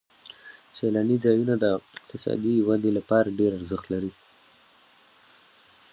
سیلاني ځایونه د اقتصادي ودې لپاره ډېر ارزښت لري.